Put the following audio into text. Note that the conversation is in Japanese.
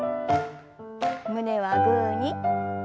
胸はグーに。